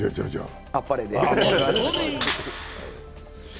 あっぱれで。